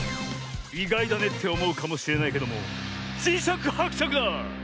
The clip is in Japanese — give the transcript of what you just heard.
いがいだねっておもうかもしれないけどもじしゃくはくしゃくだ！